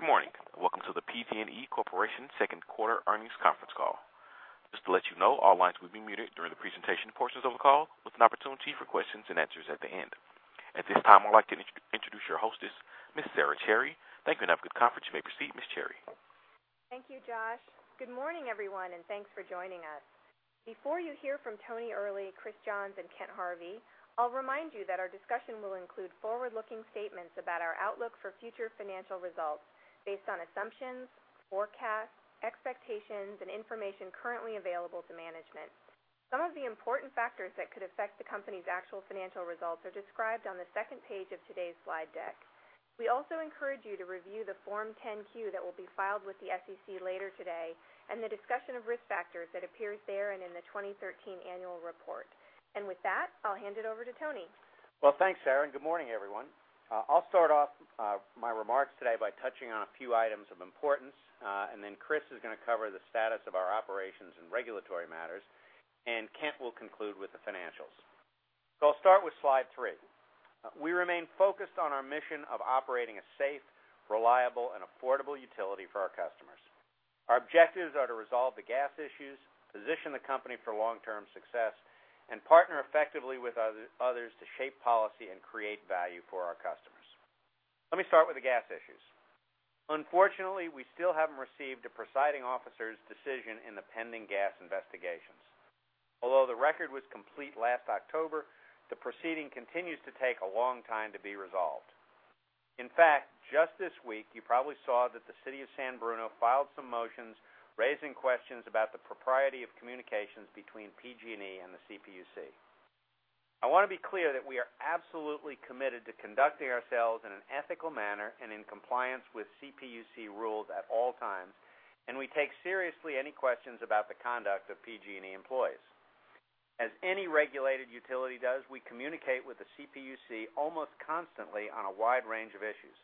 Good morning. Welcome to the PG&E Corporation second quarter earnings conference call. Just to let you know, all lines will be muted during the presentation portions of the call, with an opportunity for questions and answers at the end. At this time, I would like to introduce your hostess, Ms. Sara Cherry. Thank you, have a good conference. You may proceed, Ms. Cherry. Thank you, Josh. Good morning, everyone, and thanks for joining us. Before you hear from Tony Earley, Chris Johns, and Kent Harvey, I'll remind you that our discussion will include forward-looking statements about our outlook for future financial results based on assumptions, forecasts, expectations, and information currently available to management. Some of the important factors that could affect the company's actual financial results are described on the second page of today's slide deck. We also encourage you to review the Form 10-Q that will be filed with the SEC later today and the discussion of risk factors that appears there and in the 2013 annual report. With that, I'll hand it over to Tony. Well, thanks, Sara, good morning, everyone. I'll start off my remarks today by touching on a few items of importance, then Chris is going to cover the status of our operations and regulatory matters, Kent will conclude with the financials. I'll start with slide three. We remain focused on our mission of operating a safe, reliable, and affordable utility for our customers. Our objectives are to resolve the gas issues, position the company for long-term success, and partner effectively with others to shape policy and create value for our customers. Let me start with the gas issues. Unfortunately, we still haven't received a presiding officer's decision in the pending gas investigations. Although the record was complete last October, the proceeding continues to take a long time to be resolved. In fact, just this week, you probably saw that the city of San Bruno filed some motions raising questions about the propriety of communications between PG&E and the CPUC. I want to be clear that we are absolutely committed to conducting ourselves in an ethical manner in compliance with CPUC rules at all times, we take seriously any questions about the conduct of PG&E employees. As any regulated utility does, we communicate with the CPUC almost constantly on a wide range of issues.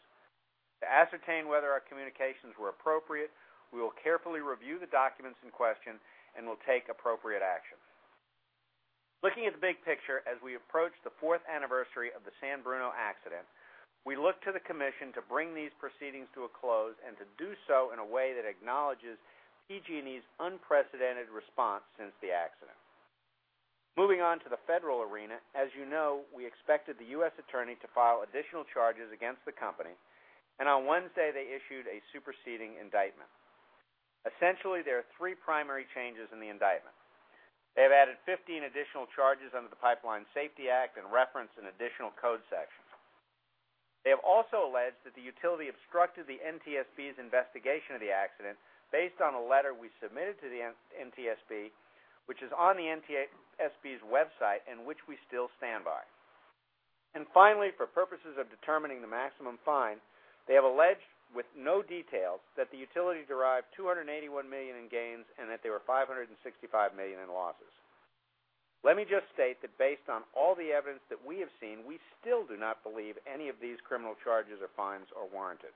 To ascertain whether our communications were appropriate, we will carefully review the documents in question will take appropriate action. Looking at the big picture, as we approach the fourth anniversary of the San Bruno accident, we look to the commission to bring these proceedings to a close and to do so in a way that acknowledges PG&E's unprecedented response since the accident. Moving on to the federal arena. As you know, we expected the U.S. attorney to file additional charges against the company. On Wednesday, they issued a superseding indictment. Essentially, there are three primary changes in the indictment. They have added 15 additional charges under the Pipeline Safety Act and reference an additional code section. They have also alleged that the utility obstructed the NTSB's investigation of the accident based on a letter we submitted to the NTSB, which is on the NTSB's website, and which we still stand by. Finally, for purposes of determining the maximum fine, they have alleged, with no details, that the utility derived $281 million in gains and that there were $565 million in losses. Let me just state that based on all the evidence that we have seen, we still do not believe any of these criminal charges or fines are warranted.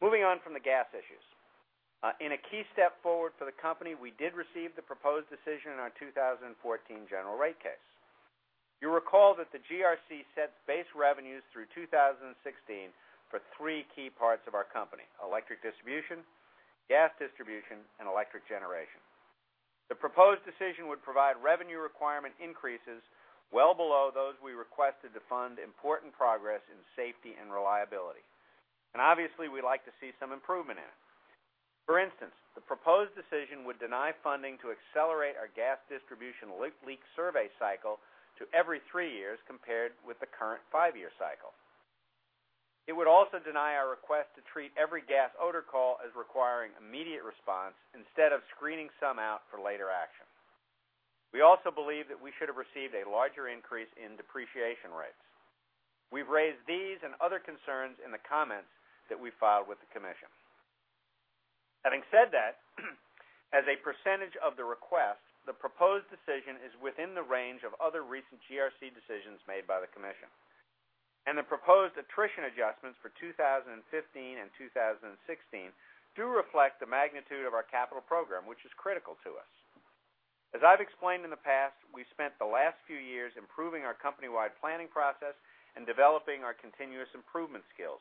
Moving on from the gas issues. In a key step forward for the company, we did receive the proposed decision on our 2014 general rate case. You'll recall that the GRC sets base revenues through 2016 for three key parts of our company, electric distribution, gas distribution, and electric generation. The proposed decision would provide revenue requirement increases well below those we requested to fund important progress in safety and reliability. Obviously, we'd like to see some improvement in it. For instance, the proposed decision would deny funding to accelerate our gas distribution leak survey cycle to every three years, compared with the current five-year cycle. It would also deny our request to treat every gas odor call as requiring immediate response instead of screening some out for later action. We also believe that we should have received a larger increase in depreciation rates. We've raised these and other concerns in the comments that we filed with the commission. Having said that, as a percentage of the request, the proposed decision is within the range of other recent GRC decisions made by the commission. The proposed attrition adjustments for 2015 and 2016 do reflect the magnitude of our capital program, which is critical to us. As I've explained in the past, we've spent the last few years improving our company-wide planning process and developing our continuous improvement skills.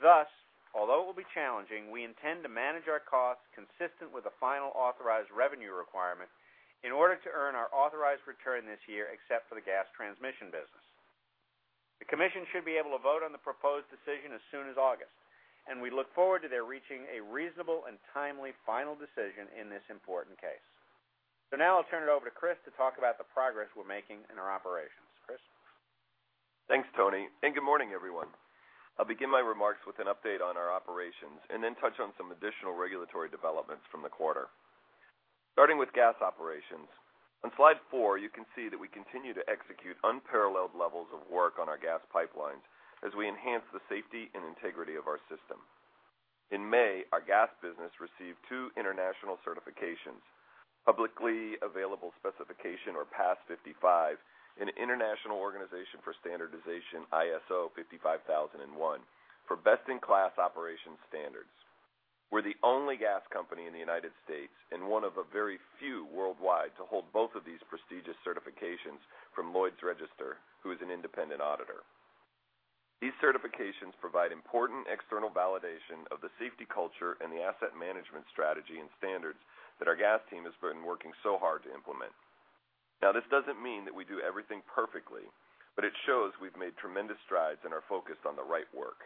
Thus, although it will be challenging, we intend to manage our costs consistent with the final authorized revenue requirement in order to earn our authorized return this year, except for the gas transmission business. The commission should be able to vote on the proposed decision as soon as August. We look forward to their reaching a reasonable and timely final decision in this important case. Now I'll turn it over to Chris to talk about the progress we're making in our operations. Chris? Thanks, Tony, good morning, everyone. I'll begin my remarks with an update on our operations and then touch on some additional regulatory developments from the quarter. Starting with gas operations. On slide four, you can see that we continue to execute unparalleled levels of work on our gas pipelines as we enhance the safety and integrity of our system. In May, our gas business received two international certifications, Publicly Available Specification, or PAS 55, and International Organization for Standardization ISO 55001 for best-in-class operations standards. We're the only gas company in the U.S. and one of a very few worldwide to hold both of these prestigious certifications from Lloyd's Register, who is an independent auditor. These certifications provide important external validation of the safety culture and the asset management strategy and standards that our gas team has been working so hard to implement. This doesn't mean that we do everything perfectly, it shows we've made tremendous strides and are focused on the right work.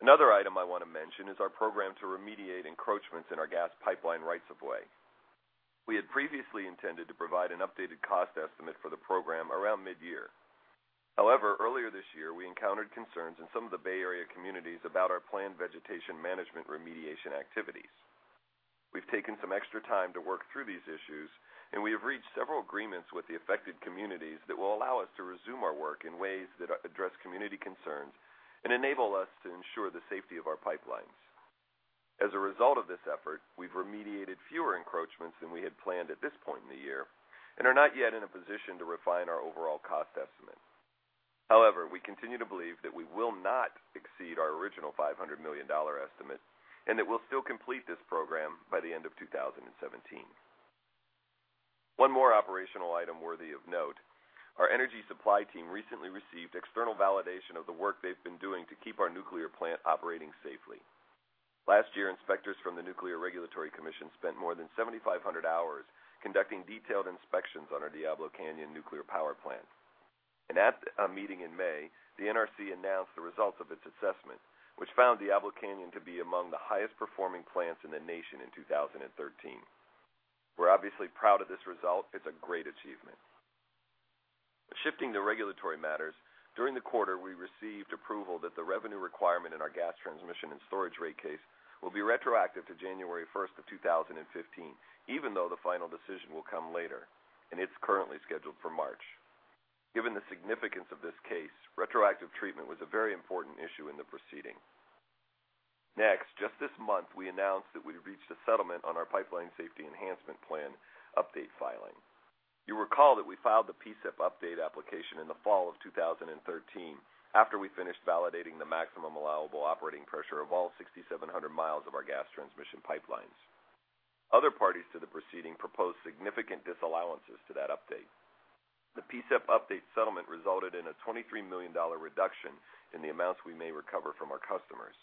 Another item I want to mention is our program to remediate encroachments in our gas pipeline rights of way. We had previously intended to provide an updated cost estimate for the program around mid-year. Earlier this year, we encountered concerns in some of the Bay Area communities about our planned vegetation management remediation activities. We've taken some extra time to work through these issues, we have reached several agreements with the affected communities that will allow us to resume our work in ways that address community concerns and enable us to ensure the safety of our pipelines. As a result of this effort, we've remediated fewer encroachments than we had planned at this point in the year and are not yet in a position to refine our overall cost estimate. We continue to believe that we will not exceed our original $500 million estimate and that we'll still complete this program by the end of 2017. One more operational item worthy of note. Our energy supply team recently received external validation of the work they've been doing to keep our nuclear plant operating safely. Last year, inspectors from the Nuclear Regulatory Commission spent more than 7,500 hours conducting detailed inspections on our Diablo Canyon Nuclear Power Plant. At a meeting in May, the NRC announced the results of its assessment, which found Diablo Canyon to be among the highest-performing plants in the nation in 2013. We're obviously proud of this result. It's a great achievement. Shifting to regulatory matters, during the quarter, we received approval that the revenue requirement in our gas transmission and storage rate case will be retroactive to January 1st, 2015, even though the final decision will come later, it's currently scheduled for March. Given the significance of this case, retroactive treatment was a very important issue in the proceeding. Just this month, we announced that we've reached a settlement on our Pipeline Safety Enhancement Plan update filing. You'll recall that we filed the PSIP update application in the fall of 2013 after we finished validating the maximum allowable operating pressure of all 6,700 miles of our gas transmission pipelines. Other parties to the proceeding proposed significant disallowances to that update. The PSIP update settlement resulted in a $23 million reduction in the amounts we may recover from our customers.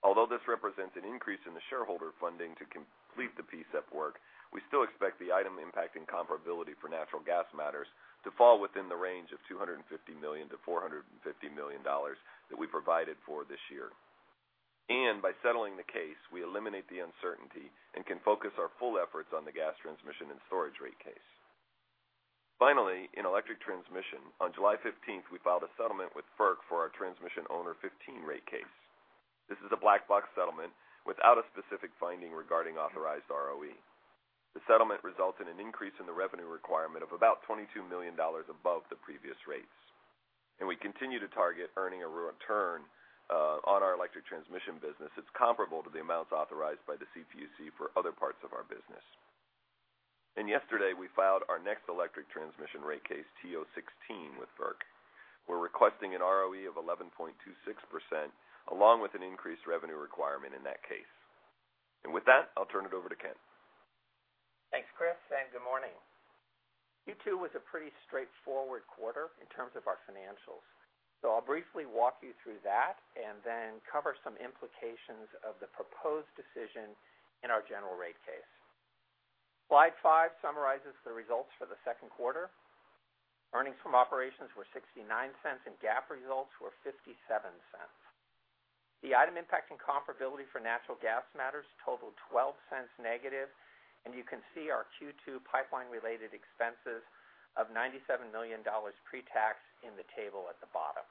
Although this represents an increase in the shareholder funding to complete the PSIP work, we still expect the item impacting comparability for natural gas matters to fall within the range of $250 million-$450 million that we provided for this year. By settling the case, we eliminate the uncertainty and can focus our full efforts on the gas transmission and storage rate case. Finally, in electric transmission, on July 15th, we filed a settlement with FERC for our Transmission Owner 15 rate case. This is a black box settlement without a specific finding regarding authorized ROE. The settlement results in an increase in the revenue requirement of about $22 million above the previous rates, and we continue to target earning a return on our electric transmission business that's comparable to the amounts authorized by the CPUC for other parts of our business. Yesterday, we filed our next electric transmission rate case, TO16, with FERC. We're requesting an ROE of 11.26%, along with an increased revenue requirement in that case. With that, I'll turn it over to Kent. Thanks, Chris, and good morning. Q2 was a pretty straightforward quarter in terms of our financials, I'll briefly walk you through that and then cover some implications of the proposed decision in our general rate case. Slide five summarizes the results for the second quarter. Earnings from operations were $0.69, GAAP results were $0.57. The item impacting comparability for natural gas matters totaled $0.12 negative, and you can see our Q2 pipeline-related expenses of $97 million pre-tax in the table at the bottom.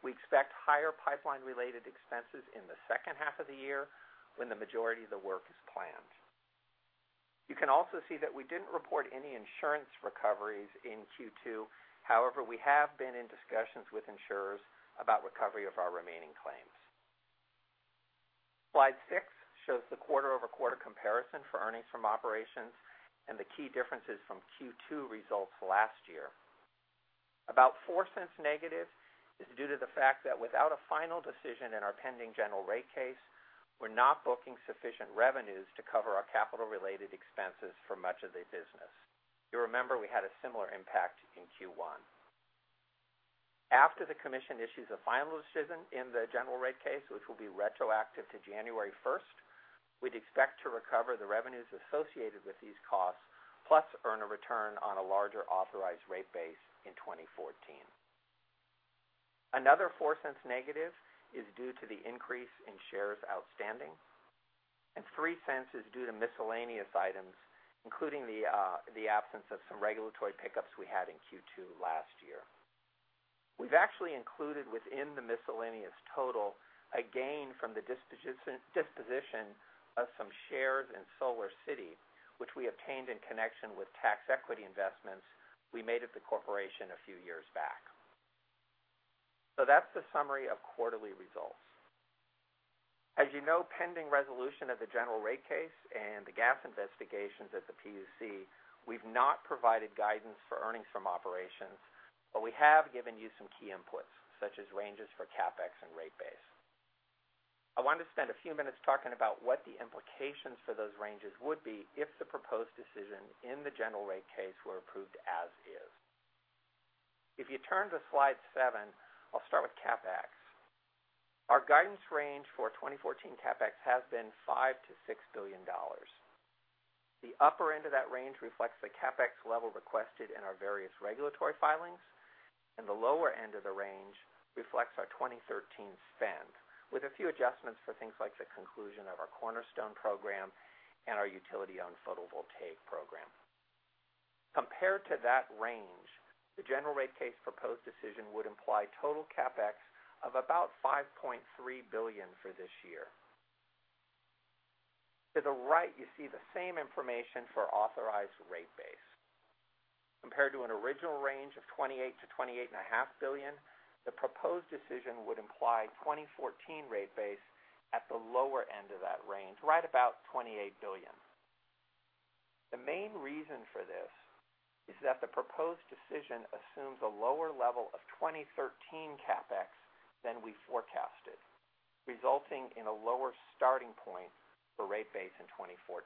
We expect higher pipeline-related expenses in the second half of the year when the majority of the work is planned. You can also see that we didn't report any insurance recoveries in Q2. However, we have been in discussions with insurers about recovery of our remaining claims. Slide six shows the quarter-over-quarter comparison for earnings from operations and the key differences from Q2 results last year. About $0.04 negative is due to the fact that without a final decision in our pending general rate case, we're not booking sufficient revenues to cover our capital-related expenses for much of the business. You'll remember we had a similar impact in Q1. After the commission issues a final decision in the general rate case, which will be retroactive to January 1st, we'd expect to recover the revenues associated with these costs, plus earn a return on a larger authorized rate base in 2014. Another $0.04 negative is due to the increase in shares outstanding, $0.03 is due to miscellaneous items, including the absence of some regulatory pickups we had in Q2 last year. We've actually included within the miscellaneous total a gain from the disposition of some shares in SolarCity, which we obtained in connection with tax equity investments we made at the corporation a few years back. That's the summary of quarterly results. As you know, pending resolution of the general rate case and the gas investigations at the PUC, we've not provided guidance for earnings from operations, but we have given you some key inputs, such as ranges for CapEx and rate base. I want to spend a few minutes talking about what the implications for those ranges would be if the proposed decision in the general rate case were approved as is. If you turn to slide seven, I'll start with CapEx. Our guidance range for 2014 CapEx has been $5 billion-$6 billion. The upper end of that range reflects the CapEx level requested in our various regulatory filings, and the lower end of the range reflects our 2013 spend, with a few adjustments for things like the conclusion of our Cornerstone program and our utility-owned photovoltaic program. Compared to that range, the general rate case proposed decision would imply total CapEx of about $5.3 billion for this year. To the right, you see the same information for authorized rate base. Compared to an original range of $28 billion-$28.5 billion, the proposed decision would imply 2014 rate base at the lower end of that range, right about $28 billion. The main reason for this is that the proposed decision assumes a lower level of 2013 CapEx than we forecasted, resulting in a lower starting point for rate base in 2014.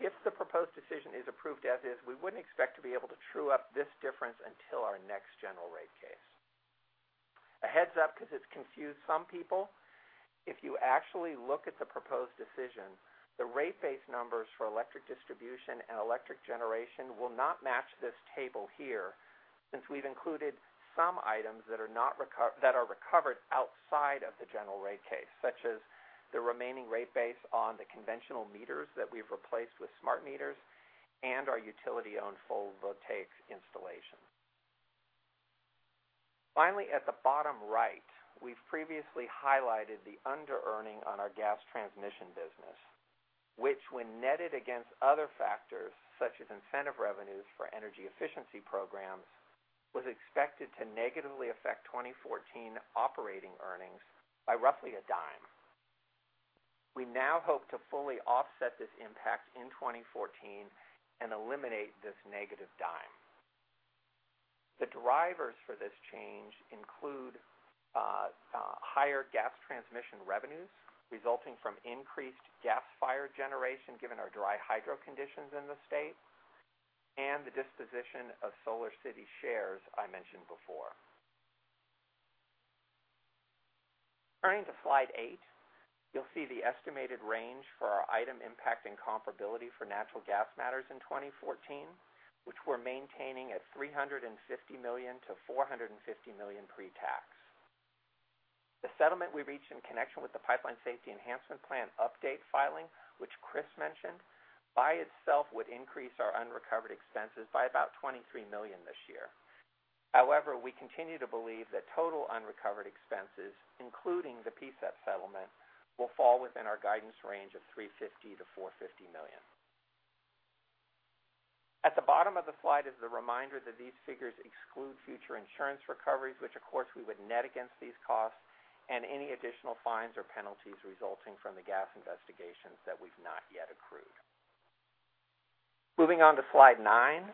If the proposed decision is approved as is, we wouldn't expect to be able to true up this difference until our next general rate case. A heads up because it's confused some people. If you actually look at the proposed decision, the rate base numbers for electric distribution and electric generation will not match this table here, since we've included some items that are recovered outside of the general rate case, such as the remaining rate base on the conventional meters that we've replaced with smart meters and our utility-owned photovoltaic installation. Finally, at the bottom right, we've previously highlighted the under-earning on our gas transmission business, which when netted against other factors such as incentive revenues for energy efficiency programs, was expected to negatively affect 2014 operating earnings by roughly $0.10. We now hope to fully offset this impact in 2014 and eliminate this negative $0.10. The drivers for this change include higher gas transmission revenues resulting from increased gas-fired generation, given our dry hydro conditions in the state, and the disposition of SolarCity shares I mentioned before. Turning to slide eight, you'll see the estimated range for our item impacting comparability for natural gas matters in 2014, which we're maintaining at $350 million-$450 million pre-tax. The settlement we reached in connection with the Pipeline Safety Enhancement Plan update filing, which Chris mentioned, by itself would increase our unrecovered expenses by about $23 million this year. However, we continue to believe that total unrecovered expenses, including the PSEP settlement, will fall within our guidance range of $350 million-$450 million. At the bottom of the slide is the reminder that these figures exclude future insurance recoveries, which, of course, we would net against these costs and any additional fines or penalties resulting from the gas investigations that we've not yet accrued. Moving on to slide nine,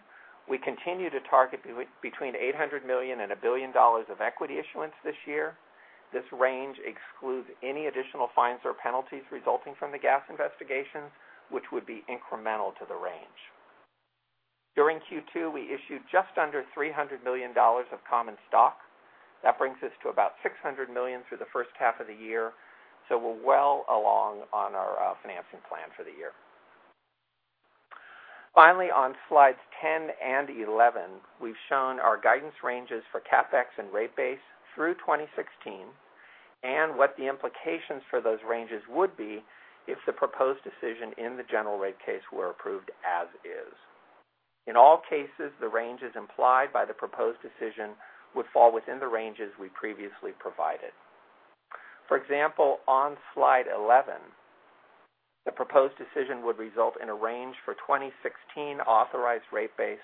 we continue to target between $800 million and $1 billion of equity issuance this year. This range excludes any additional fines or penalties resulting from the gas investigations, which would be incremental to the range. During Q2, we issued just under $300 million of common stock. That brings us to about $600 million through the first half of the year, so we're well along on our financing plan for the year. Finally, on slides 10 and 11, we've shown our guidance ranges for CapEx and rate base through 2016 and what the implications for those ranges would be if the proposed decision in the general rate case were approved as is. In all cases, the ranges implied by the proposed decision would fall within the ranges we previously provided. For example, on slide 11, the proposed decision would result in a range for 2016 authorized rate base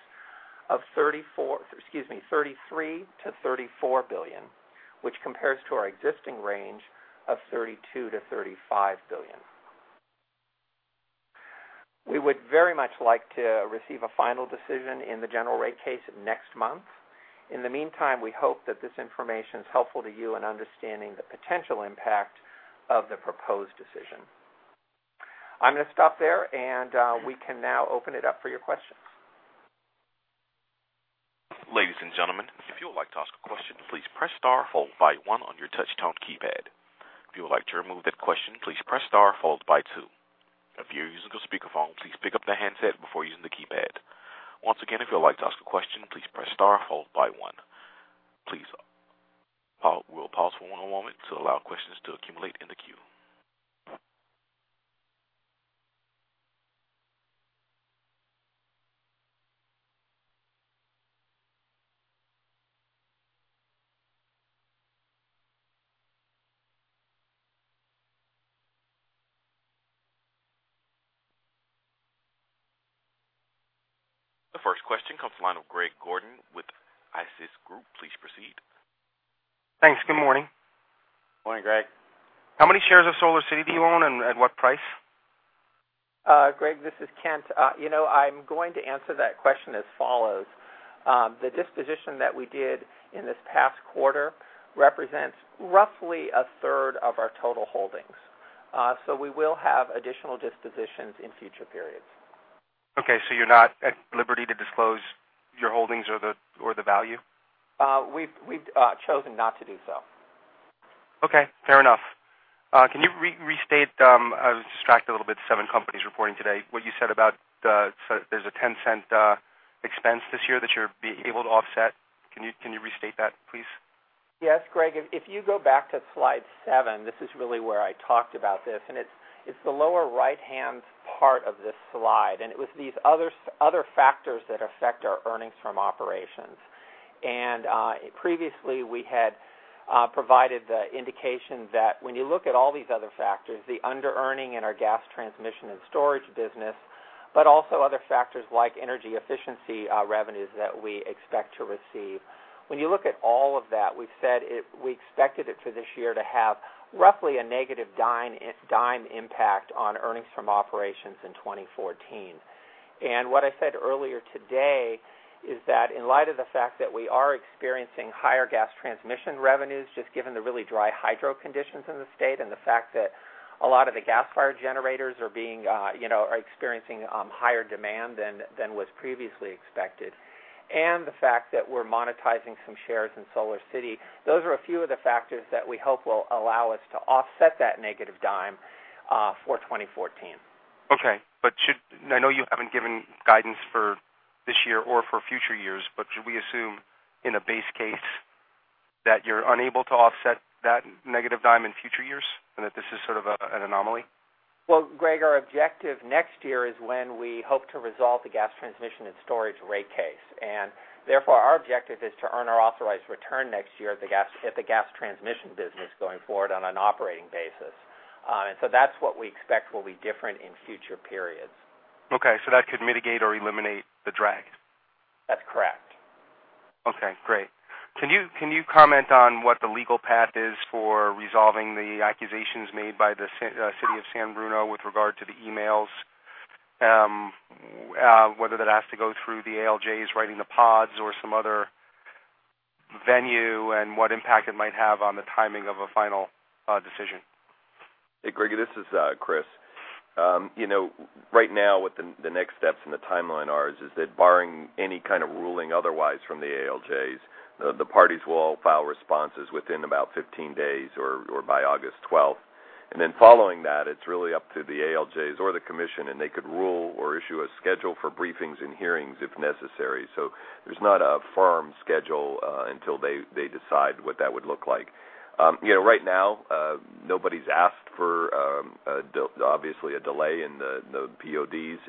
of $33 billion to $34 billion, which compares to our existing range of $32 billion to $35 billion. We would very much like to receive a final decision in the general rate case next month. In the meantime, we hope that this information is helpful to you in understanding the potential impact of the proposed decision. I'm going to stop there, we can now open it up for your questions. Ladies and gentlemen, if you would like to ask a question, please press star followed by one on your touch-tone keypad. If you would like to remove that question, please press star followed by two. If you're using a speakerphone, please pick up the handset before using the keypad. Once again, if you would like to ask a question, please press star followed by one. Please, we'll pause for one moment to allow questions to accumulate in the queue. The first question comes the line of Greg Gordon with ISI Group. Please proceed. Thanks. Good morning. Morning, Greg. How many shares of SolarCity do you own and at what price? Greg, this is Kent. I'm going to answer that question as follows. The disposition that we did in this past quarter represents roughly a third of our total holdings. We will have additional dispositions in future periods. Okay. You're not at liberty to disclose your holdings or the value? We've chosen not to do so. Okay, fair enough. Can you restate, I was distracted a little bit, seven companies reporting today, what you said about there's a $0.10 expense this year that you're able to offset. Can you restate that, please? Yes. Greg, if you go back to slide seven, this is really where I talked about this, and it's the lower right-hand part of this slide. It was these other factors that affect our earnings from operations. Previously we had provided the indication that when you look at all these other factors, the underearning in our gas transmission and storage business, but also other factors like energy efficiency revenues that we expect to receive. When you look at all of that, we said we expected it for this year to have roughly a negative $0.10 impact on earnings from operations in 2014. What I said earlier today is that in light of the fact that we are experiencing higher gas transmission revenues, just given the really dry hydro conditions in the state and the fact that a lot of the gas fire generators are experiencing higher demand than was previously expected. The fact that we're monetizing some shares in SolarCity, those are a few of the factors that we hope will allow us to offset that negative $0.10 for 2014. Okay. I know you haven't given guidance for this year or for future years, but should we assume in a base case that you're unable to offset that negative $0.10 in future years, and that this is sort of an anomaly? Well, Greg, our objective next year is when we hope to resolve the gas transmission and storage rate case, therefore our objective is to earn our authorized return next year at the gas transmission business going forward on an operating basis. That's what we expect will be different in future periods. Okay. That could mitigate or eliminate the drag. That's correct. Okay, great. Can you comment on what the legal path is for resolving the accusations made by the City of San Bruno with regard to the emails? Whether that has to go through the ALJs writing the PODs or some other venue, what impact it might have on the timing of a final decision. Hey, Greg, this is Chris. Right now, what the next steps in the timeline are is that barring any kind of ruling otherwise from the ALJs, the parties will all file responses within about 15 days or by August 12th. Following that, it's really up to the ALJs or the commission, and they could rule or issue a schedule for briefings and hearings if necessary. There's not a firm schedule until they decide what that would look like. Right now, nobody's asked for, obviously a delay in the PODs,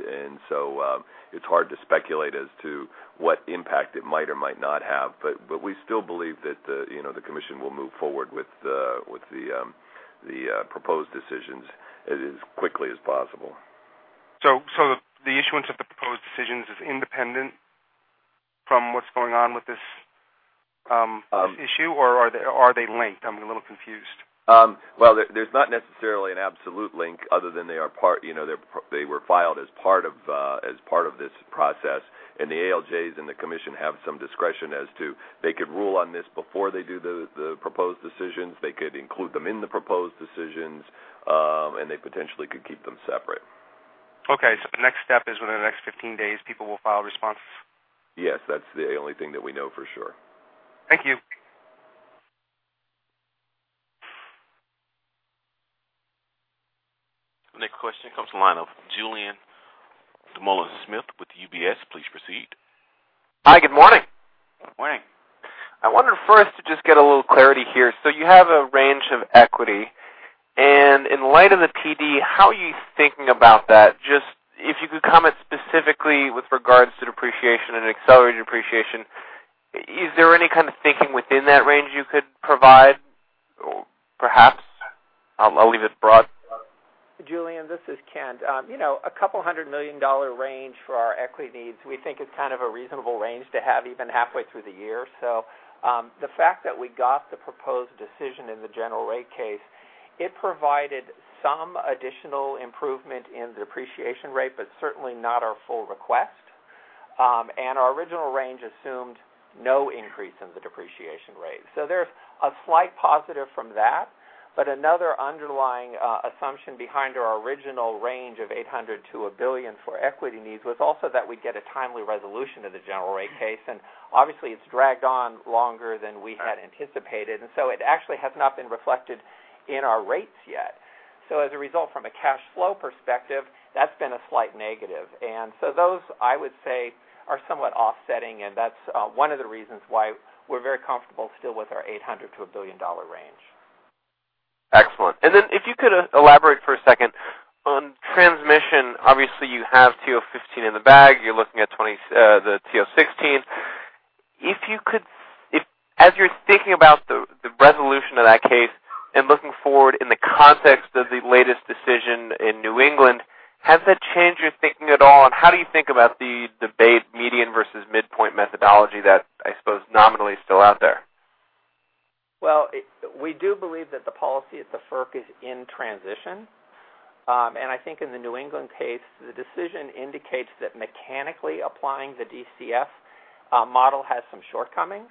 it's hard to speculate as to what impact it might or might not have. We still believe that the commission will move forward with the proposed decisions as quickly as possible. The issuance of the proposed decisions is independent from what's going on with this issue, or are they linked? I'm a little confused. Well, there's not necessarily an absolute link other than they were filed as part of this process. The ALJs and the commission have some discretion as to they could rule on this before they do the proposed decisions. They could include them in the proposed decisions, they potentially could keep them separate. Okay. The next step is within the next 15 days, people will file responses? Yes, that's the only thing that we know for sure. Thank you. Next question comes the line of Julien Dumoulin-Smith with UBS. Please proceed. Hi, good morning. Good morning. I wonder first to just get a little clarity here. You have a range of equity, and in light of the PD, how are you thinking about that? Just if you could comment specifically with regards to depreciation and accelerated depreciation, is there any kind of thinking within that range you could provide? Perhaps I'll leave it broad. Julien, this is Kent. A $200 million range for our equity needs, we think is kind of a reasonable range to have even halfway through the year. The fact that we got the proposed decision in the general rate case, it provided some additional improvement in the depreciation rate, but certainly not our full request. Our original range assumed no increase in the depreciation rate. There's a slight positive from that. Another underlying assumption behind our original range of $800 million-$1 billion for equity needs was also that we'd get a timely resolution of the general rate case, and obviously it's dragged on longer than we had anticipated. It actually has not been reflected in our rates yet. As a result, from a cash flow perspective, that's been a slight negative. Those, I would say, are somewhat offsetting, and that's one of the reasons why we're very comfortable still with our $800 million-$1 billion range. Excellent. If you could elaborate for a second on transmission. Obviously you have TO15 in the bag. You're looking at the TO16. As you're thinking about the resolution of that case and looking forward in the context of the latest decision in New England, has that changed your thinking at all, and how do you think about the debate, median versus midpoint methodology that I suppose nominally is still out there? Well, we do believe that the policy at the FERC is in transition. I think in the New England case, the decision indicates that mechanically applying the DCF model has some shortcomings,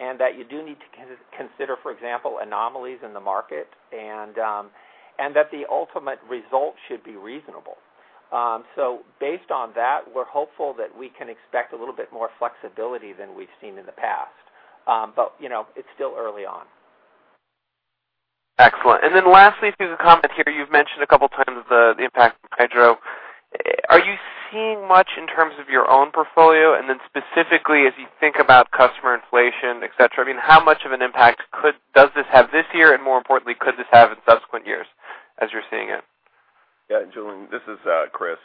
and that you do need to consider, for example, anomalies in the market, and that the ultimate result should be reasonable. Based on that, we're hopeful that we can expect a little bit more flexibility than we've seen in the past. It's still early on. Excellent. Lastly, I see the comment here, you've mentioned a couple of times the impact of hydro. Are you seeing much in terms of your own portfolio? Specifically, as you think about customer inflation, et cetera, how much of an impact does this have this year? More importantly, could this have in subsequent years as you're seeing it? Yeah, Julien, this is Chris.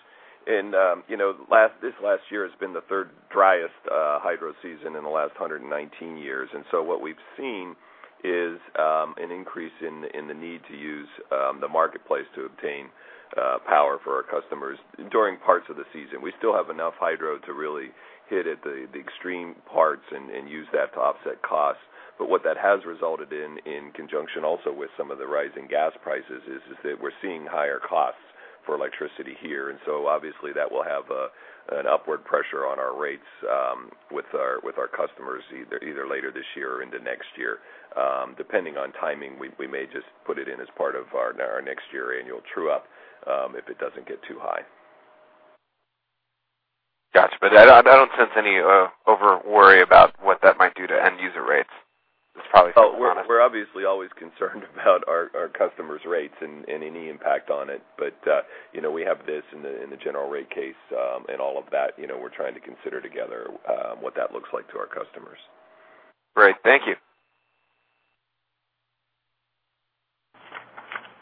This last year has been the third driest hydro season in the last 119 years. What we've seen is an increase in the need to use the marketplace to obtain power for our customers during parts of the season. We still have enough hydro to really hit at the extreme parts and use that to offset costs. What that has resulted in conjunction also with some of the rising gas prices, is that we're seeing higher costs for electricity here. Obviously that will have an upward pressure on our rates with our customers either later this year or into next year. Depending on timing, we may just put it in as part of our next year annual true-up if it doesn't get too high. Got you. I don't sense any over-worry about what that might do to end user rates. We're obviously always concerned about our customers' rates and any impact on it. We have this in the general rate case and all of that. We're trying to consider together what that looks like to our customers. Great, thank you.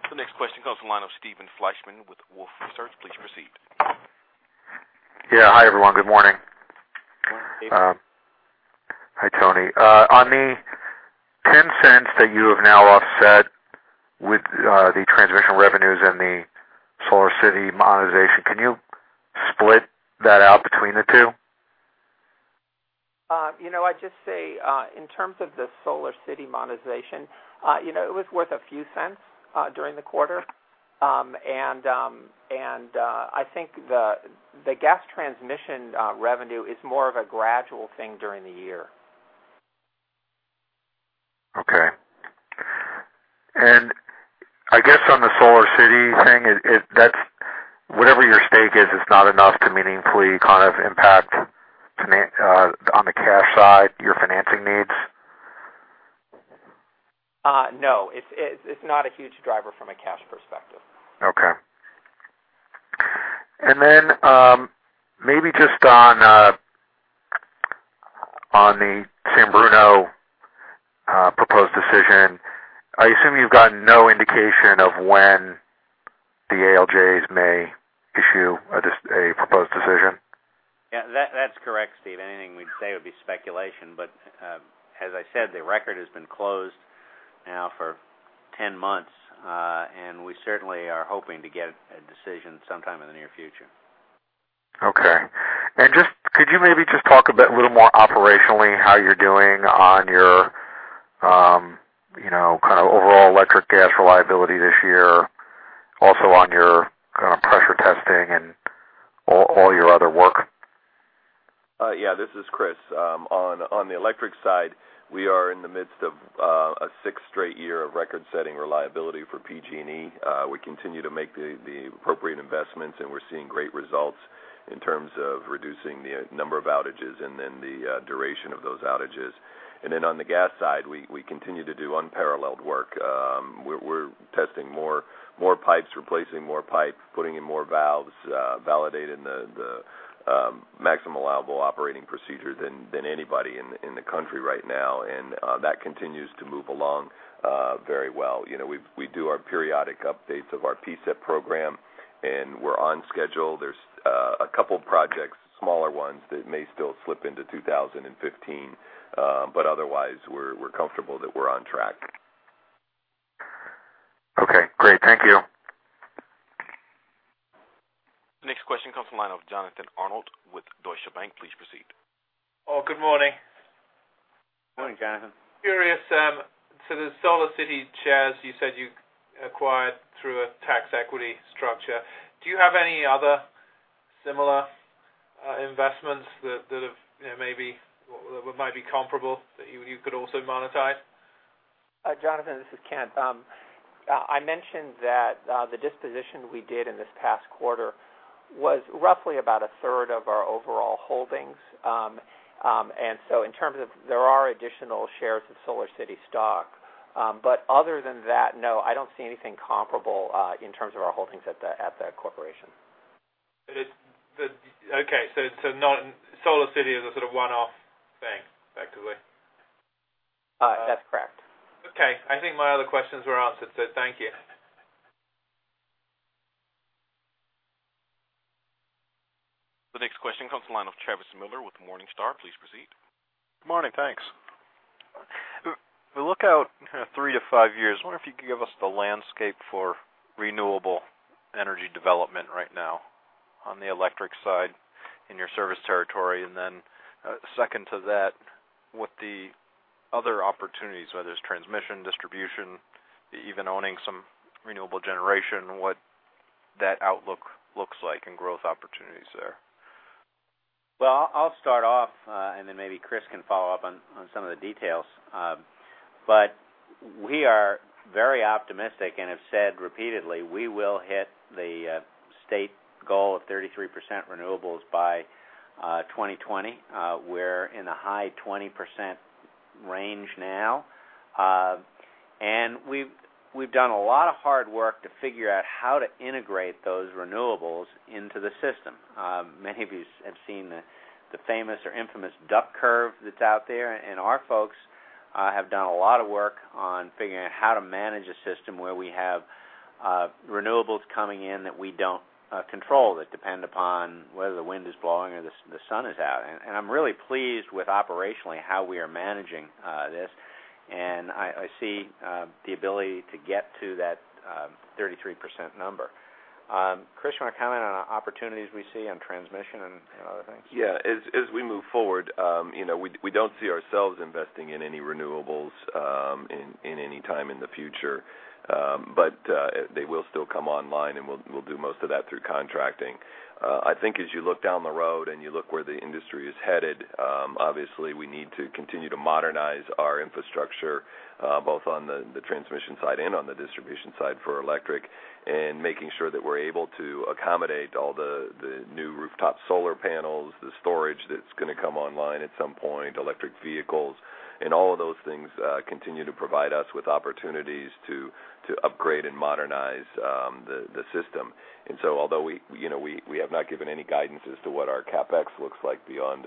The next question comes from the line of Steve Fleishman with Wolfe Research. Please proceed. Yeah. Hi, everyone. Good morning. Morning. Hi, Tony. On the $0.10 that you have now offset with the transmission revenues and the SolarCity monetization, can you split that out between the two? I'd just say, in terms of the SolarCity monetization, it was worth a few cents during the quarter. I think the gas transmission revenue is more of a gradual thing during the year. Okay. I guess on the SolarCity thing, whatever your stake is, it's not enough to meaningfully kind of impact on the cash side, your financing needs? No. It's not a huge driver from a cash perspective. Okay. Maybe just on the San Bruno proposed decision, I assume you've gotten no indication of when the ALJs may issue a proposed decision? Yeah, that's correct, Steve. Anything we'd say would be speculation, but as I said, the record has been closed now for 10 months. We certainly are hoping to get a decision sometime in the near future. Okay. Could you maybe just talk a bit little more operationally how you're doing on your kind of overall electric gas reliability this year, also on your kind of pressure testing and all your other work? This is Chris. On the electric side, we are in the midst of a sixth straight year of record-setting reliability for PG&E. We continue to make the appropriate investments. We're seeing great results in terms of reducing the number of outages. The duration of those outages. On the gas side, we continue to do unparalleled work. We're testing more pipes, replacing more pipes, putting in more valves, validating the maximum allowable operating procedure than anybody in the country right now. That continues to move along very well. We do our periodic updates of our PSEP program. We're on schedule. There's a couple projects, smaller ones that may still slip into 2015. Otherwise, we're comfortable that we're on track. Okay, great. Thank you. The next question comes the line of Jonathan Arnold with Deutsche Bank. Please proceed. Good morning. Morning, Jonathan. Curious, the SolarCity shares you said you acquired through a tax equity structure. Do you have any other similar investments that might be comparable that you could also monetize? Jonathan, this is Kent. I mentioned that the disposition we did in this past quarter was roughly about a third of our overall holdings. There are additional shares of SolarCity stock. Other than that, no, I don't see anything comparable in terms of our holdings at that corporation. Okay. SolarCity is a sort of one-off thing, effectively? That's correct. Okay. I think my other questions were answered, so thank you. The next question comes the line of Travis Miller with Morningstar. Please proceed. Good morning. Thanks. The lookout kind of three to five years, I wonder if you could give us the landscape for renewable energy development right now. On the electric side in your service territory. Second to that, what the other opportunities, whether it's transmission, distribution, even owning some renewable generation, what that outlook looks like and growth opportunities there. I'll start off, then maybe Chris can follow up on some of the details. We are very optimistic and have said repeatedly we will hit the state goal of 33% renewables by 2020. We're in a high 20% range now. We've done a lot of hard work to figure out how to integrate those renewables into the system. Many of you have seen the famous or infamous duck curve that's out there, our folks have done a lot of work on figuring out how to manage a system where we have renewables coming in that we don't control, that depend upon whether the wind is blowing or the sun is out. I'm really pleased with operationally how we are managing this. I see the ability to get to that 33% number. Chris, you want to comment on opportunities we see on transmission and other things? Yeah. As we move forward, we don't see ourselves investing in any renewables in any time in the future. They will still come online, we'll do most of that through contracting. I think as you look down the road you look where the industry is headed, obviously, we need to continue to modernize our infrastructure, both on the transmission side on the distribution side for electric, making sure that we're able to accommodate all the new rooftop solar panels, the storage that's going to come online at some point, electric vehicles, all of those things continue to provide us with opportunities to upgrade and modernize the system. Although we have not given any guidance as to what our CapEx looks like beyond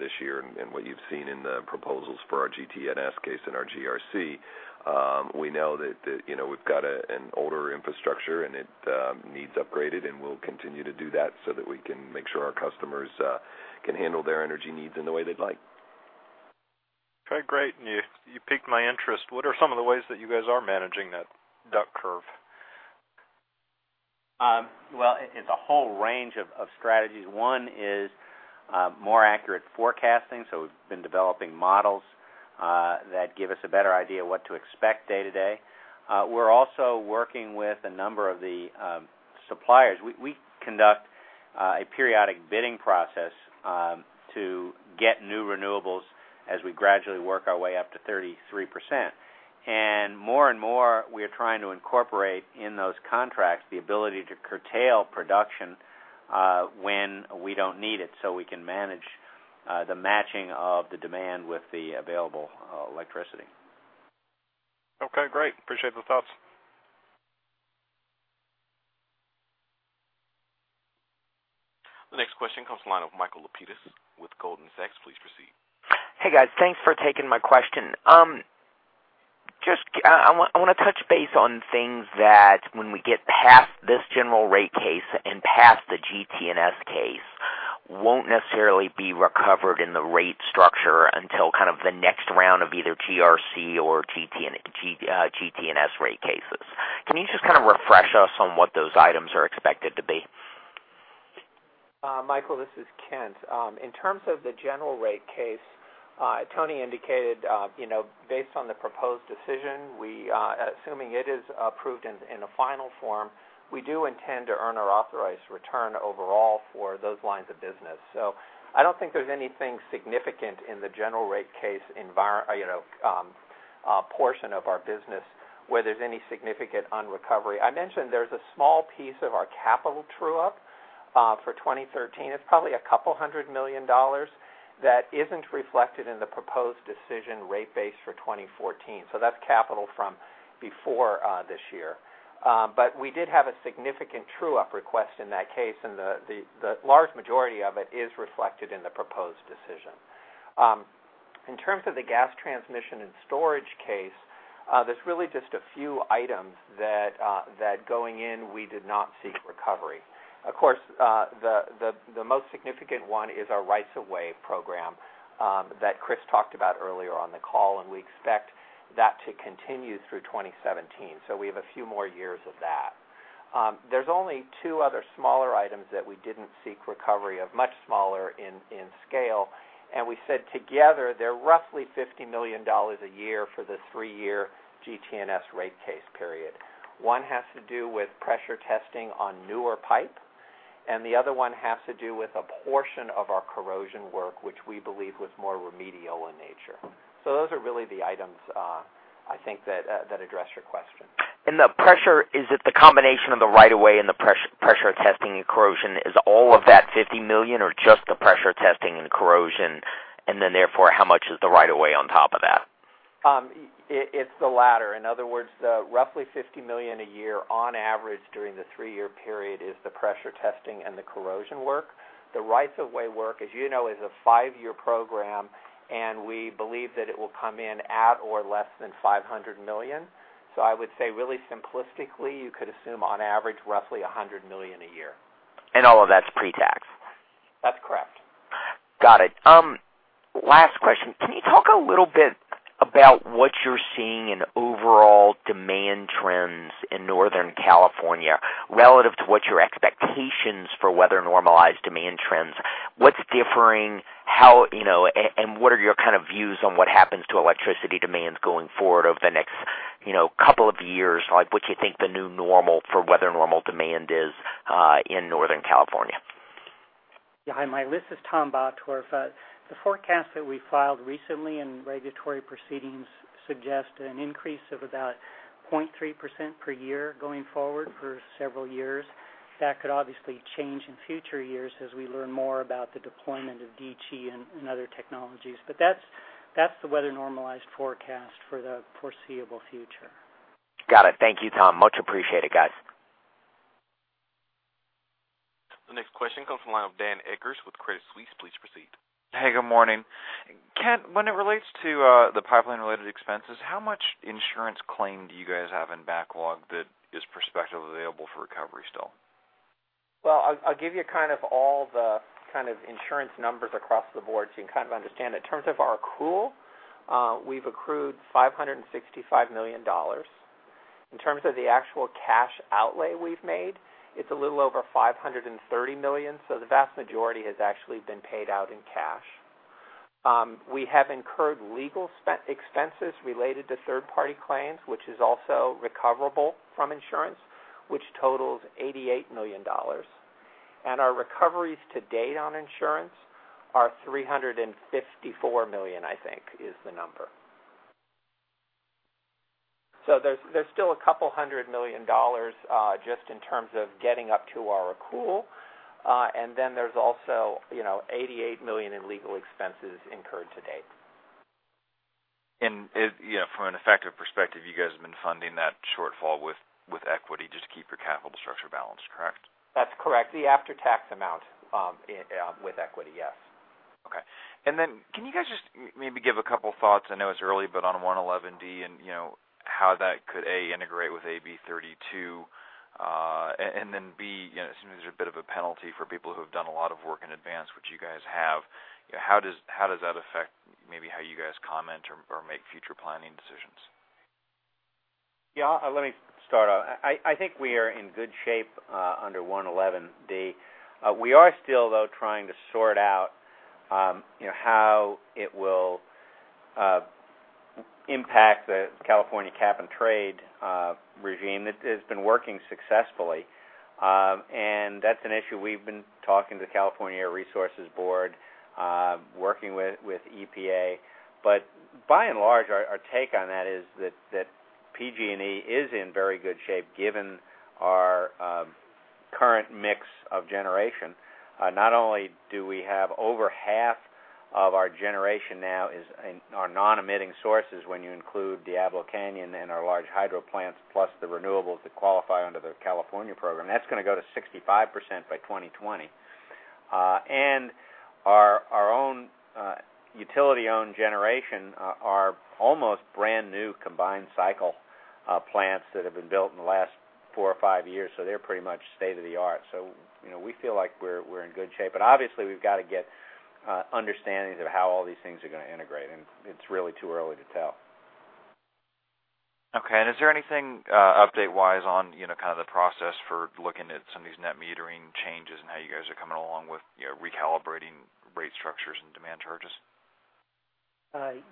this year and what you've seen in the proposals for our GTNS case and our GRC, we know that we've got an older infrastructure it needs upgraded, we'll continue to do that so that we can make sure our customers can handle their energy needs in the way they'd like. Okay, great. You piqued my interest. What are some of the ways that you guys are managing that duck curve? Well, it's a whole range of strategies. One is more accurate forecasting, so we've been developing models that give us a better idea what to expect day-to-day. We're also working with a number of the suppliers. We conduct a periodic bidding process to get new renewables as we gradually work our way up to 33%. More and more, we are trying to incorporate in those contracts the ability to curtail production when we don't need it, so we can manage the matching of the demand with the available electricity. Okay, great. Appreciate the thoughts. The next question comes the line of Michael Lapides with Goldman Sachs. Please proceed. Hey, guys. Thanks for taking my question. I want to touch base on things that when we get past this general rate case and past the GTNS case, won't necessarily be recovered in the rate structure until kind of the next round of either GRC or GTNS rate cases. Can you just kind of refresh us on what those items are expected to be? Michael, this is Kent. In terms of the general rate case, Tony indicated based on the proposed decision, assuming it is approved in a final form, we do intend to earn our authorized return overall for those lines of business. I don't think there's anything significant in the general rate case portion of our business where there's any significant unrecovery. I mentioned there's a small piece of our capital true-up for 2013. It's probably a couple hundred million dollars that isn't reflected in the proposed decision rate base for 2014. We did have a significant true-up request in that case, and the large majority of it is reflected in the proposed decision. In terms of the gas transmission and storage case, there's really just a few items that going in, we did not seek recovery. Of course, the most significant one is our right-of-way program that Chris talked about earlier on the call, and we expect that to continue through 2017. We have a few more years of that. There's only two other smaller items that we didn't seek recovery of, much smaller in scale, and we said together they're roughly $50 million a year for the three-year GTNS rate case period. One has to do with pressure testing on newer pipe, and the other one has to do with a portion of our corrosion work, which we believe was more remedial in nature. Those are really the items I think that address your question. The pressure, is it the combination of the right-of-way and the pressure testing and corrosion? Is all of that $50 million or just the pressure testing and corrosion? Therefore, how much is the right-of-way on top of that? It's the latter. In other words, the roughly $50 million a year on average during the 3-year period is the pressure testing and the corrosion work. The rights of way work, as you know, is a 5-year program, and we believe that it will come in at or less than $500 million. I would say really simplistically, you could assume on average roughly $100 million a year. All of that's pre-tax? Got it. Last question. Can you talk a little bit about what you're seeing in overall demand trends in Northern California relative to what your expectations for weather normalized demand trends? What's differing? What are your views on what happens to electricity demands going forward over the next couple of years? What you think the new normal for weather normal demand is in Northern California? Hi, my name is Tom Bottorff. The forecast that we filed recently in regulatory proceedings suggest an increase of about 0.3% per year going forward for several years. That could obviously change in future years as we learn more about the deployment of DG and other technologies. That's the weather normalized forecast for the foreseeable future. Got it. Thank you, Tom. Much appreciated, guys. The next question comes from the line of Dan Eggers with Credit Suisse. Please proceed. Hey, good morning. Kent, when it relates to the pipeline-related expenses, how much insurance claim do you guys have in backlog that is prospectively available for recovery still? Well, I'll give you all the insurance numbers across the board so you can understand it. In terms of our accrual, we've accrued $565 million. In terms of the actual cash outlay we've made, it's a little over $530 million, so the vast majority has actually been paid out in cash. We have incurred legal expenses related to third-party claims, which is also recoverable from insurance, which totals $88 million. Our recoveries to date on insurance are $354 million, I think is the number. There's still a couple of hundred million dollars, just in terms of getting up to our accrual. There's also $88 million in legal expenses incurred to date. From an effective perspective, you guys have been funding that shortfall with equity just to keep your capital structure balanced, correct? That's correct. The after-tax amount with equity, yes. Okay. Can you guys just maybe give a couple of thoughts, I know it's early, but on 111D and how that could, A, integrate with AB 32? Then B, it seems there's a bit of a penalty for people who have done a lot of work in advance, which you guys have. How does that affect maybe how you guys comment or make future planning decisions? Yeah, let me start. I think we are in good shape under 111D. We are still, though, trying to sort out how it will impact the California Cap-and-Trade regime that has been working successfully. That's an issue we've been talking to California Air Resources Board, working with EPA. By and large, our take on that is that PG&E is in very good shape given our current mix of generation. Not only do we have over half of our generation now is our non-emitting sources when you include Diablo Canyon and our large hydro plants, plus the renewables that qualify under the California program. That's going to go to 65% by 2020. Our own utility-owned generation are almost brand-new combined cycle plants that have been built in the last four or five years, so they're pretty much state-of-the-art. We feel like we're in good shape. Obviously, we've got to get understandings of how all these things are going to integrate, and it's really too early to tell. Okay. Is there anything update-wise on the process for looking at some of these net metering changes and how you guys are coming along with recalibrating rate structures and demand charges?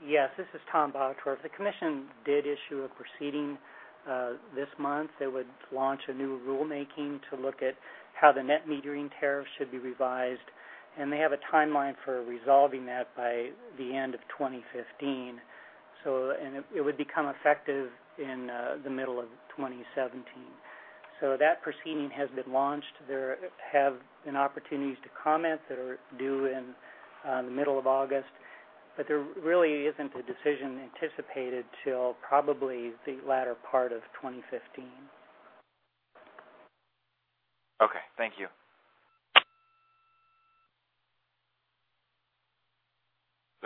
Yes. This is Tom Bottorff. The commission did issue a proceeding this month that would launch a new rule making to look at how the net metering tariff should be revised, they have a timeline for resolving that by the end of 2015. It would become effective in the middle of 2017. That proceeding has been launched. There have been opportunities to comment that are due in the middle of August, there really isn't a decision anticipated till probably the latter part of 2015. Okay. Thank you.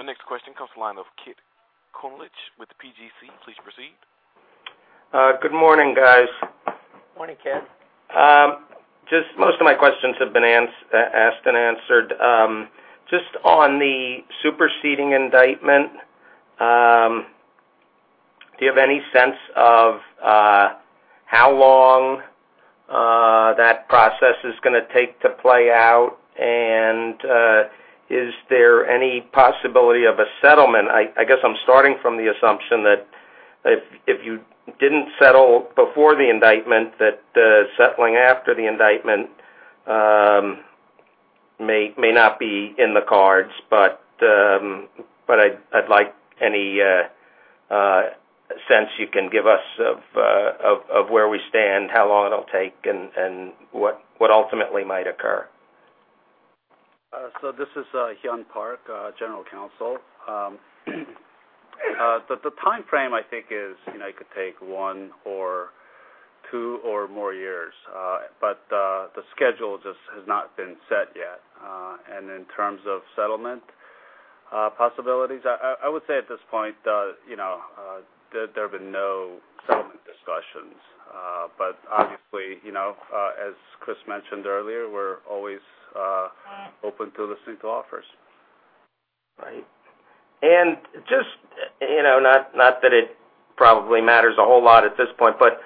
The next question comes the line of Kit Konolige with BGC. Please proceed. Good morning, guys. Morning, Kit. Most of my questions have been asked and answered. On the superseding indictment, do you have any sense of how long that process is going to take to play out? Is there any possibility of a settlement? I guess I'm starting from the assumption that if you didn't settle before the indictment, that settling after the indictment may not be in the cards. I'd like any sense you can give us of where we stand, how long it'll take, and what ultimately might occur. This is Hyun Park, General Counsel. The timeframe I think is it could take one or two or more years. The schedule just has not been set yet. In terms of settlement possibilities, I would say at this point there have been no settlement discussions. Obviously, as Chris mentioned earlier, we're always open to listening to offers. Right. Not that it probably matters a whole lot at this point, but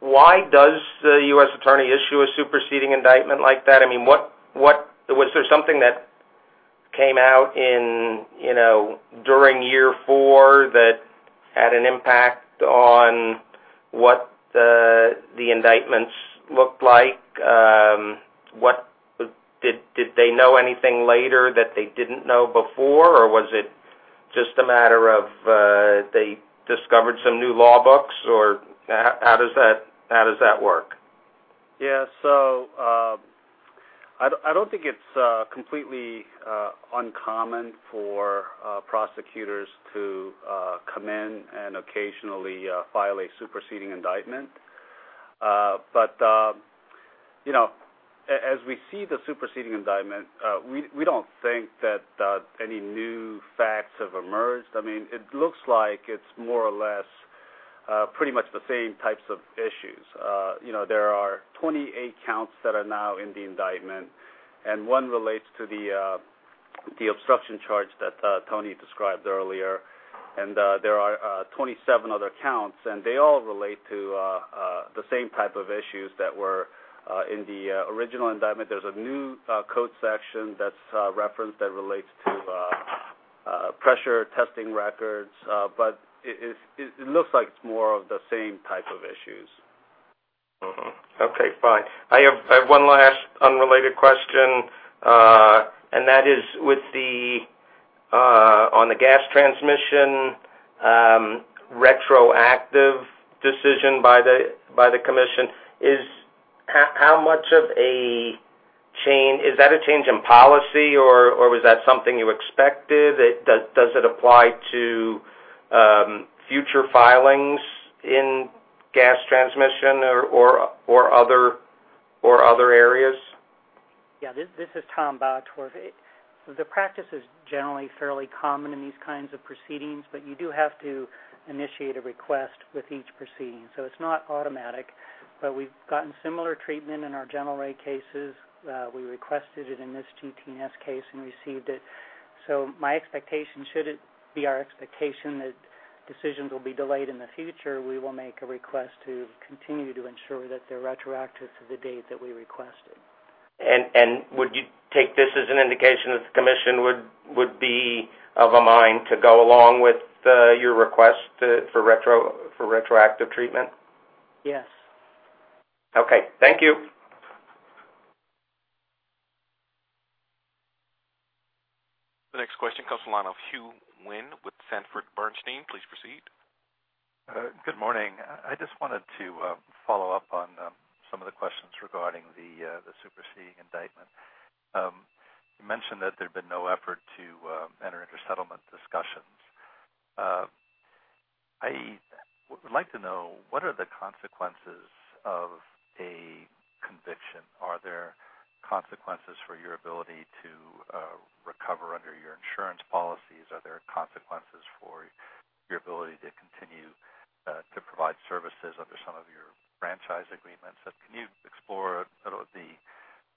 why does the U.S. Attorney issue a superseding indictment like that? Was there something that came out during year four that had an impact on what the indictments looked like? Did they know anything later that they didn't know before? Or was it just a matter of they discovered some new law books? Or how does that work? Yeah. I don't think it's completely uncommon for prosecutors to come in and occasionally file a superseding indictment. As we see the superseding indictment, we don't think that any new facts have emerged. It looks like it's more or less pretty much the same types of issues. There are 28 counts that are now in the indictment, and one relates to the obstruction charge that Tony described earlier. There are 27 other counts, and they all relate to the same type of issues that were in the original indictment. There's a new code section that's referenced that relates to pressure testing records. It looks like it's more of the same type of issues. Mm-hmm. Okay, fine. I have one last unrelated question. That is on the gas transmission retroactive decision by the commission. Is that a change in policy or was that something you expected? Does it apply to future filings in gas transmission or other areas? Yeah, this is Tom Bottorff. The practice is generally fairly common in these kinds of proceedings, you do have to initiate a request with each proceeding. It's not automatic. We've gotten similar treatment in our General Rate Cases. We requested it in this GT&S case and received it. My expectation should it be our expectation that decisions will be delayed in the future, we will make a request to continue to ensure that they're retroactive to the date that we requested. Would you take this as an indication that the commission would be of a mind to go along with your request for retroactive treatment? Yes. Okay. Thank you. The next question comes from the line of Hugh Wynne with Sanford Bernstein. Please proceed. Good morning. I just wanted to follow up on some of the questions regarding the superseding indictment. You mentioned that there'd been no effort to enter into settlement discussions. I would like to know what are the consequences of a conviction. Are there consequences for your ability to recover under your insurance policies? Are there consequences for your ability to continue to provide services under some of your franchise agreements? Can you explore the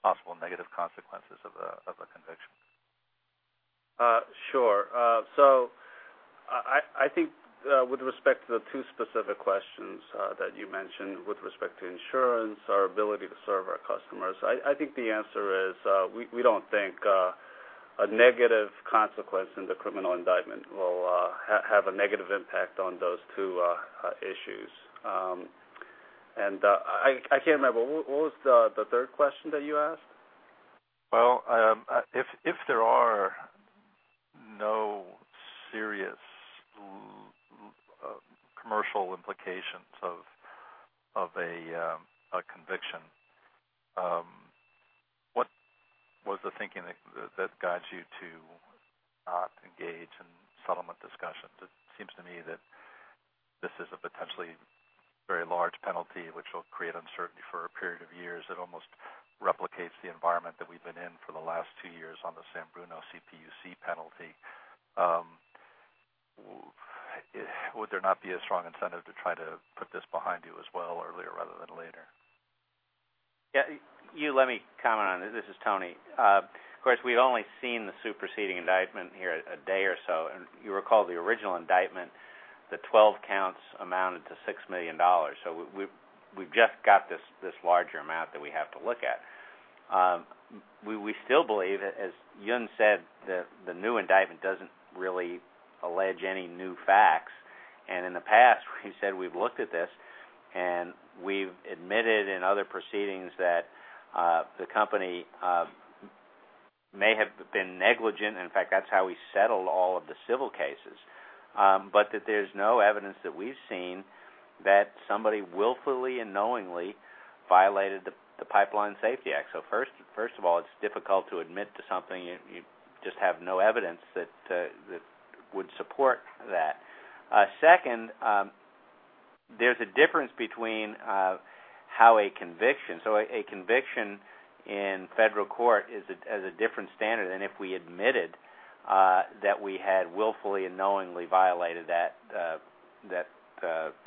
possible negative consequences of a conviction? Sure. I think with respect to the two specific questions that you mentioned with respect to insurance, our ability to serve our customers, I think the answer is we don't think a negative consequence in the criminal indictment will have a negative impact on those two issues. I can't remember, what was the third question that you asked? Well, if there are no serious commercial implications of a conviction, what was the thinking that guides you to not engage in settlement discussions? It seems to me that this is a potentially very large penalty which will create uncertainty for a period of years. It almost replicates the environment that we've been in for the last two years on the San Bruno CPUC penalty. Would there not be a strong incentive to try to put this behind you as well earlier rather than later? Yeah. Hugh, let me comment on it. This is Tony. Of course, we've only seen the superseding indictment here a day or so. You recall the original indictment, the 12 counts amounted to $6 million. We've just got this larger amount that we have to look at. We still believe, as Hyun said, that the new indictment doesn't really allege any new facts. In the past, we said we've looked at this, and we've admitted in other proceedings that the company may have been negligent, and in fact, that's how we settled all of the civil cases. That there's no evidence that we've seen that somebody willfully and knowingly violated the Pipeline Safety Act. First of all, it's difficult to admit to something you just have no evidence that would support that. Second, there's a difference between how a conviction in federal court has a different standard than if we admitted that we had willfully and knowingly violated that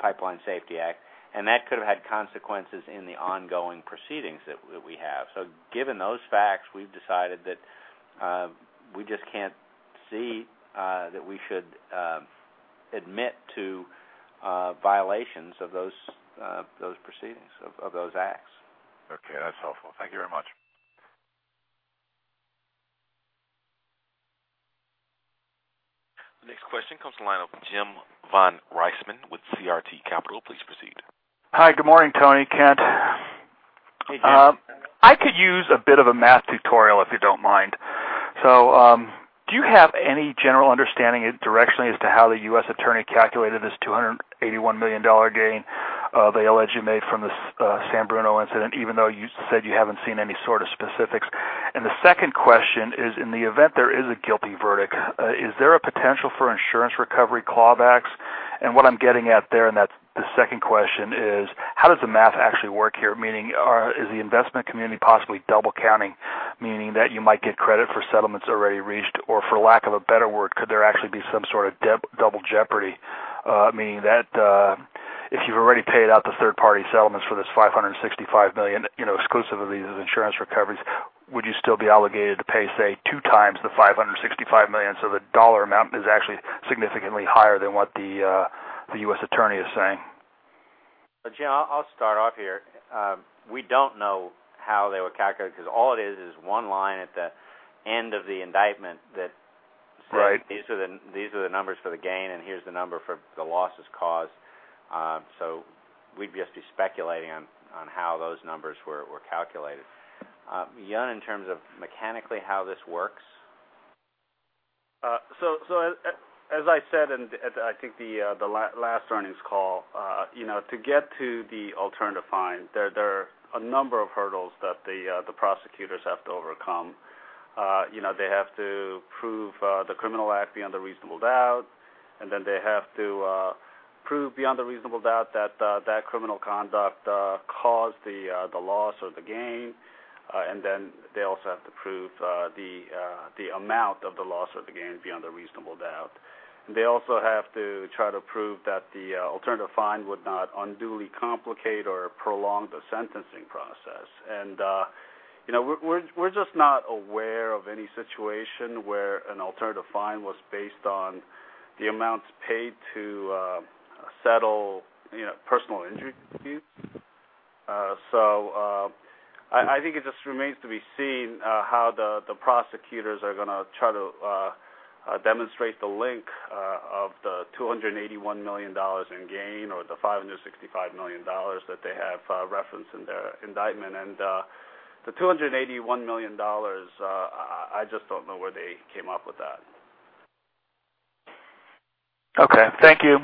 Pipeline Safety Act, and that could have had consequences in the ongoing proceedings that we have. Given those facts, we've decided that we just can't see that we should admit to violations of those proceedings, of those acts. Okay, that's helpful. Thank you very much. The next question comes to the line of Jim von Riesemann with CRT Capital. Please proceed. Hi, good morning, Tony, Kent. Hey, Jim. I could use a bit of a math tutorial, if you don't mind. Do you have any general understanding directionally as to how the U.S. Attorney calculated this $281 million gain they allege you made from the San Bruno incident, even though you said you haven't seen any sort of specifics? The second question is, in the event there is a guilty verdict, is there a potential for insurance recovery clawbacks? What I'm getting at there in the second question is, how does the math actually work here? Meaning, is the investment community possibly double counting, meaning that you might get credit for settlements already reached? For lack of a better word, could there actually be some sort of double jeopardy, meaning that if you've already paid out the third-party settlements for this $565 million exclusive of these insurance recoveries, would you still be obligated to pay, say, two times the $565 million, so the dollar amount is actually significantly higher than what the U.S. Attorney is saying? Jim, I'll start off here. We don't know how they were calculated because all it is is one line at the end of the indictment that said. Right These are the numbers for the gain, and here's the number for the losses caused. We'd just be speculating on how those numbers were calculated. Hyun, in terms of mechanically how this works? As I said in, I think, the last earnings call, to get to the alternative fine, there are a number of hurdles that the prosecutors have to overcome. They have to prove the criminal act beyond a reasonable doubt, then they have to prove beyond a reasonable doubt that that criminal conduct caused the loss or the gain. Then they also have to prove the amount of the loss or the gain beyond a reasonable doubt. They also have to try to prove that the alternative fine would not unduly complicate or prolong the sentencing process. We're just not aware of any situation where an alternative fine was based on the amounts paid to settle personal injury fees. I think it just remains to be seen how the prosecutors are going to try to demonstrate the link of the $281 million in gain or the $565 million that they have referenced in their indictment. The $281 million, I just don't know where they came up with that. Okay. Thank you.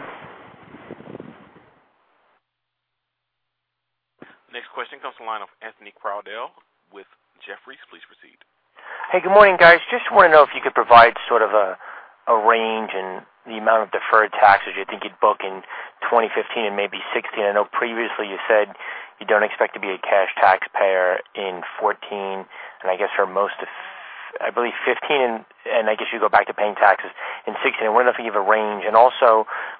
Next question comes the line of Anthony Crowdell with Jefferies. Please proceed. Hey, good morning, guys. Just want to know if you could provide sort of a range in the amount of deferred taxes you think you'd book in 2015 and maybe 2016. I know previously you said you don't expect to be a cash taxpayer in 2014, and I guess for most of, I believe 2015, and I guess you go back to paying taxes in 2016. I wonder if you can give a range.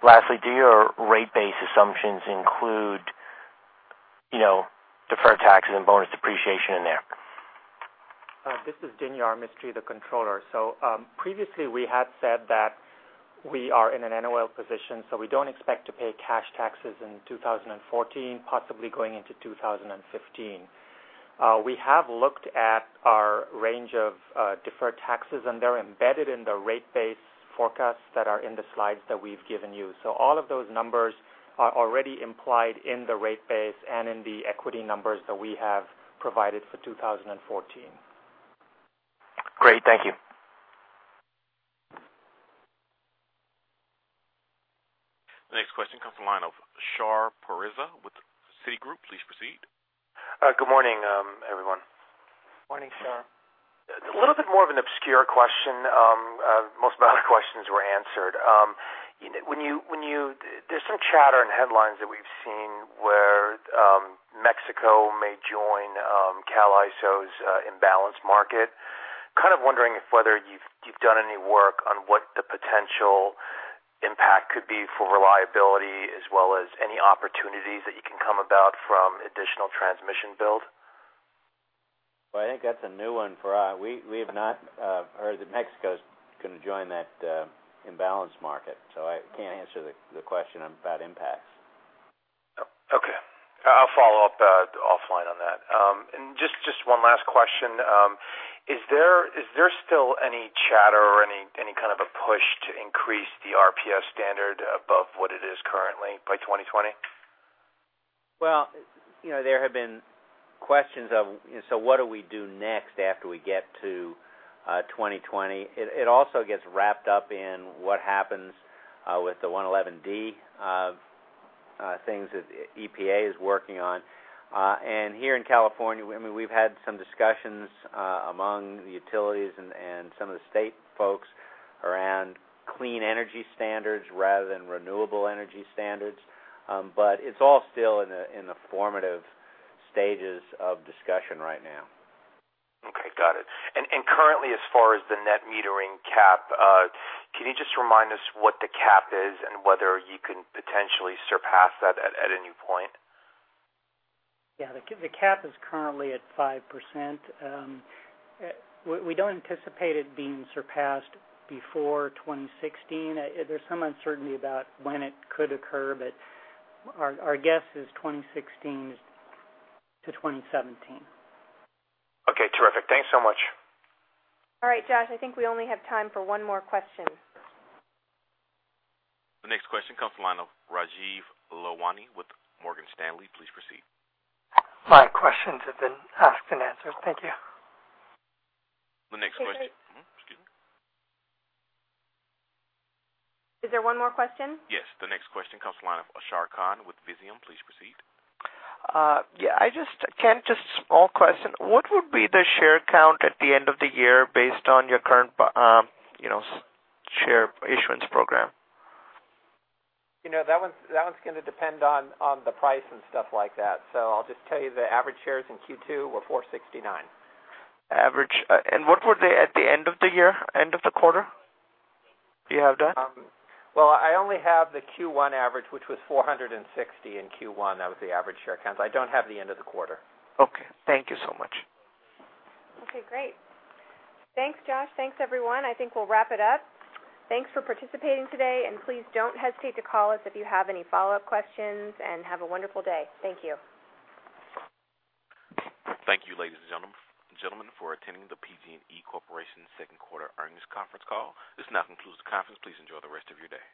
Lastly, do your rate base assumptions include deferred taxes and bonus depreciation in there? This is Dinyar Mistry, the Controller. Previously, we had said that we are in an NOL position, so we don't expect to pay cash taxes in 2014, possibly going into 2015. We have looked at our range of deferred taxes, and they're embedded in the rate base forecasts that are in the slides that we've given you. All of those numbers are already implied in the rate base and in the equity numbers that we have provided for 2014. Great. Thank you. The next question comes the line of Shar Pourreza with Citigroup. Please proceed. Good morning, everyone. Morning, Shar. A little bit more of an obscure question. Most of my other questions were answered. There's some chatter and headlines that we've seen where Mexico may join CAISO's Imbalance Market. Kind of wondering if whether you've done any work on what the potential impact could be for reliability as well as any opportunities that you can come about from additional transmission build. Well, I think that's a new one for us. We have not heard that Mexico's going to join that Imbalance Market. I can't answer the question about impacts. Okay. I'll follow up offline on that. Just one last question. Is there still any chatter or any kind of a push to increase the RPS standard above what it is currently by 2020? Well, there have been questions of, what do we do next after we get to 2020? It also gets wrapped up in what happens with the 111D things that EPA is working on. Here in California, we've had some discussions among the utilities and some of the state folks around clean energy standards rather than renewable energy standards. It's all still in the formative stages of discussion right now. Okay. Got it. Currently, as far as the net metering cap, can you just remind us what the cap is and whether you can potentially surpass that at a new point? Yeah. The cap is currently at 5%. We don't anticipate it being surpassed before 2016. There's some uncertainty about when it could occur, but our guess is 2016 to 2017. Okay, terrific. Thanks so much. All right, Josh, I think we only have time for one more question. The next question comes the line of Rajeev Lalwani with Morgan Stanley, please proceed. My questions have been asked and answered. Thank you. The next question. Excuse me. Is there one more question? Yes. The next question comes to line of Ashar Khan with Visium. Please proceed. Yeah. Just a small question. What would be the share count at the end of the year based on your current share issuance program? That one's going to depend on the price and stuff like that. I'll just tell you the average shares in Q2 were 469. Average. What were they at the end of the year, end of the quarter? Do you have that? Well, I only have the Q1 average, which was 460 in Q1. That was the average share count. I don't have the end of the quarter. Okay. Thank you so much. Great. Thanks, Josh. Thanks, everyone. I think we'll wrap it up. Thanks for participating today. Please don't hesitate to call us if you have any follow-up questions. Have a wonderful day. Thank you. Thank you, ladies and gentlemen, for attending the PG&E Corporation second quarter earnings conference call. This now concludes the conference. Please enjoy the rest of your day.